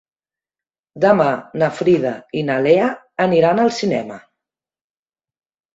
Demà na Frida i na Lea aniran al cinema.